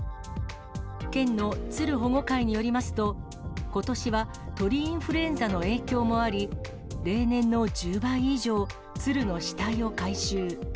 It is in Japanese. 県のツル保護会によりますと、ことしは鳥インフルエンザの影響もあり、例年の１０倍以上、ツルの死体を回収。